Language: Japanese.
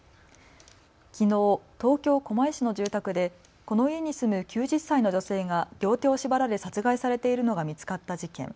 きのう、東京狛江市の住宅でこの家に住む９０歳の女性が両手を縛られ殺害されているのが見つかった事件。